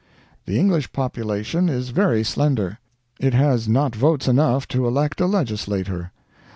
The English population is very slender; it has not votes enough to elect a legislator.